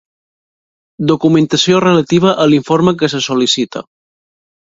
Documentació relativa a l'informe que se sol·licita.